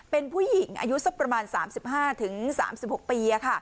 เป็นผู้หญิงอายุสักประมาณ๓๕๓๖ปี